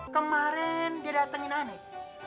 kemarin dia datengin aneh